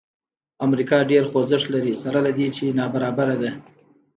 امریکا ډېر خوځښت لري سره له دې چې نابرابره ده.